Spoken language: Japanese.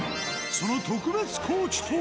その特別コーチとは。